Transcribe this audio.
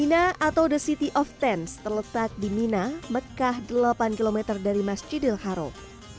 mina atau the city of tence terletak di mina mekah delapan km dari masjidil haram